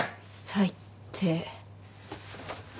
最低。